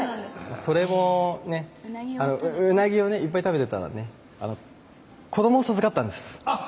それもね鰻をねいっぱい食べてたらね子どもを授かったんですあっ